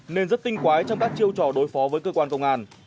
nên rất tinh quái trong các chiêu trò đối phó với cơ quan công an